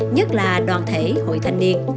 nhất là đoàn thể hội thanh niên